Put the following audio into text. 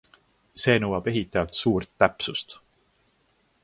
See nõuab ehitajalt suurt täpsust.